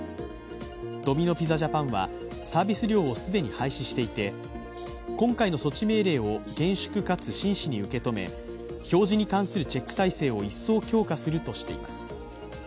ドミノ・ピザジャパンはサービス料を既に廃止していて今回の措置命令を厳粛かつ真摯に受け止め、表示に関するチェック体制を一層強化するとしています。